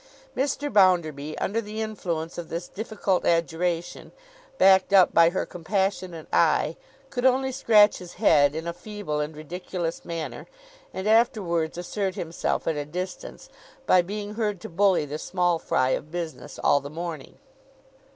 Mr. Bounderby, under the influence of this difficult adjuration, backed up by her compassionate eye, could only scratch his head in a feeble and ridiculous manner, and afterwards assert himself at a distance, by being heard to bully the small fry of business all the morning.